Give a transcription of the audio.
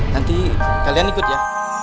nanti kalian ikut ya